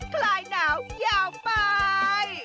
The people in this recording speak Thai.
คลายหนาวยาวไป